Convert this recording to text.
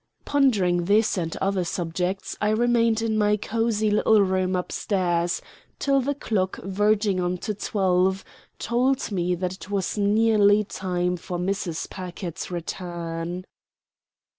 Pondering this and other subjects, I remained in my cozy little room up stairs, till the clock verging on to twelve told me that it was nearly time for Mrs. Packard's return.